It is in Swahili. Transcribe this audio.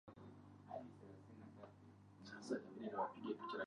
Ambapo kwa wakati huo alizaliwa katika eneo hilo